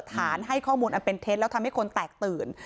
ฐานให้ข้อมูลอเต็จแล้วทำให้คนแตกตื่น